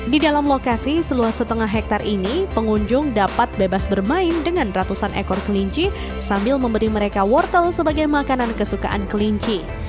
di dalam lokasi seluas setengah hektare ini pengunjung dapat bebas bermain dengan ratusan ekor kelinci sambil memberi mereka wortel sebagai makanan kesukaan kelinci